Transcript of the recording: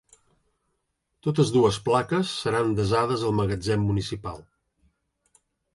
Totes dues plaques seran desades al magatzem municipal.